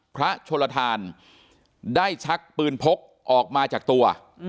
โชลทานได้ชักปืนพกออกมาจากตัว